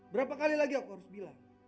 berapa kali lagi aku harus bilang